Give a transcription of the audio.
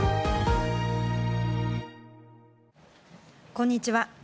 こんにちは。